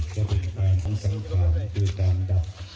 ขวัญนะครับ